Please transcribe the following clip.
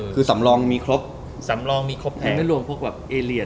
คือสำลองมีครบสำลองมีครบแพงไม่รวมพวกแบบอะไร